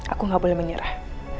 aku gak boleh menyerah